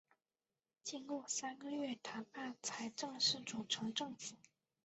经过三个月谈判才正式组成政府。